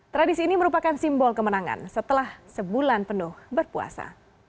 tradisi ini merupakan simbol kemenangan setelah sebulan penuh berpuasa